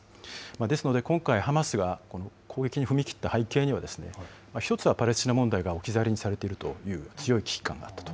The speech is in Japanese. ですので、今回、ハマスが攻撃に踏み切った背景には、１つはパレスチナ問題が置き去りにされているという強い危機感があったと。